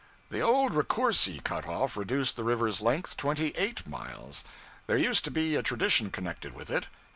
The old Raccourci cut off reduced the river's length twenty eight miles. There used to be a tradition connected with it.